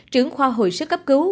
trưởng khoa hội sức cấp cứu